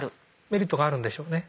メリットがあるんでしょうね。